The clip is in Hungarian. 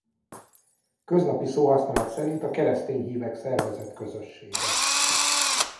Köznapi szóhasználat szerint a keresztény hívek szervezett közössége.